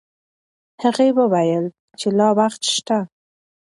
هغې وویل چې لا وخت شته.